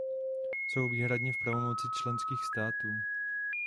Jsou výhradně v pravomoci členských států.